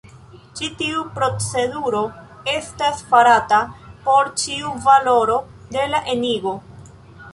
Ĉi tiu proceduro estas farata por ĉiu valoro de la enigo.